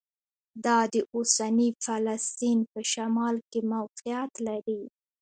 دا د اوسني فلسطین په شمال کې موقعیت لري.